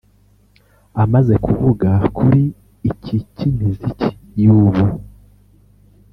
Amaze kuvuga kuri iki cy’imiziki y’ubu